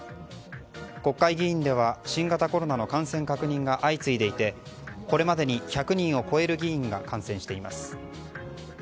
国会議員では新型コロナの感染確認が相次いでいてこれまでに１００人を超える議員が感染しています。